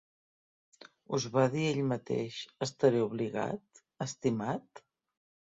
Us va dir ell mateix, estaré obligat, estimat?